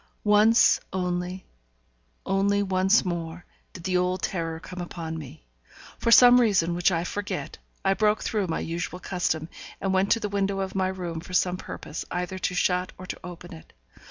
Once only, only once more, did the old terror come upon me. For some reason which I forget, I broke through my usual custom, and went to the window of my room for some purpose, either to shut or to open it.